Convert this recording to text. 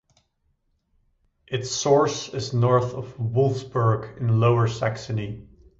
Its source is north of Wolfsburg, in Lower Saxony.